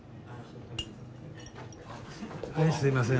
はいすいません